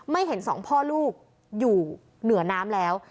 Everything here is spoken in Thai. เห็นสองพ่อลูกอยู่เหนือน้ำแล้ว